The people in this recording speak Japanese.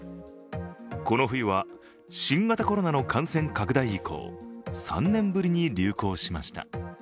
この冬は新型コロナの感染拡大以降、３年ぶりに流行しました。